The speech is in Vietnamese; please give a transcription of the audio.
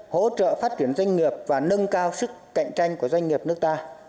hỗ trợ phát triển doanh nghiệp và nâng cao sức cạnh tranh của doanh nghiệp nước ta